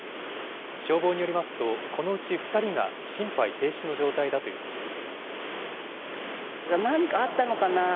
消防によりますと、このうち２人が心肺停止の状態だということです。